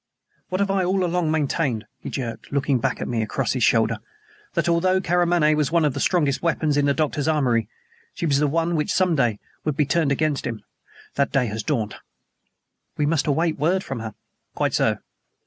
"What have I all along maintained?" he jerked, looking back at me across his shoulder "that, although Karamaneh was one of the strongest weapons in the Doctor's armory, she was one which some day would be turned against him. That day has dawned." "We must await word from her." "Quite so."